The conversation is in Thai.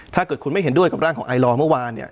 ถ้าเกิดคุณไม่เห็นด้วยกับร่างของไอลอร์เมื่อวานเนี่ย